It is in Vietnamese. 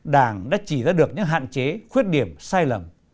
đảng đã chỉ ra được những hạn chế khuyết điểm sai lầm